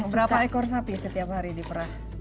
berapa ekor sapi setiap hari di perak